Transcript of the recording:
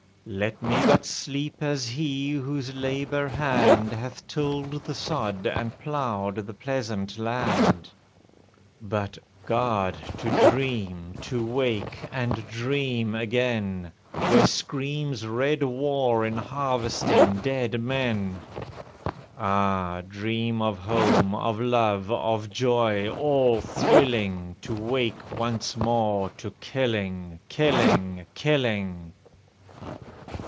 Let me but sleep as he whose labour hand Hath tilled the sod and ploughed the pleasant land, But, God ! to dream, to wake, and dream again. Where screams red war in harvesting dead men. Ah! dream of home, of love, of joy, all thrilling, To wake once more to killing, killing, killing.